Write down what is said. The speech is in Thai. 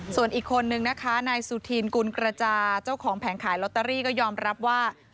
ส่วนอีกคนนึงนะคะนายสุธินกุลกระจาเจ้าของแผงขายลอตเตอรี่ก็ยอมรับว่า